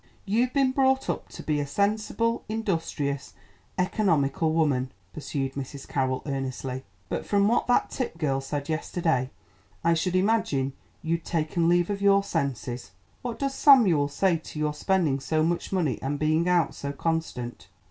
"You've been brought up to be a sensible, industrious, economical woman," pursued Mrs. Carroll earnestly; "but from what that Tipp girl said yesterday, I should imagine you'd taken leave of your senses. What does Samuel say to your spending so much money and being out so constant?"